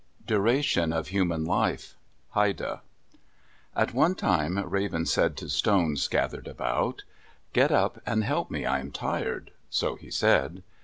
DURATION OF HUMAN LIFE Haida At one time Raven said to stones scattered about, "Get up and help me. I am tired;" so he said.